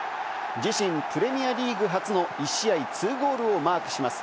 自身プレミアリーグ初の１試合２ゴールをマークします。